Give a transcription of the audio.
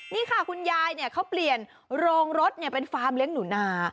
นี่ค่ะคุณยายเขาเปลี่ยนโรงรถเป็นฟาร์มเลี้ยงหนูนา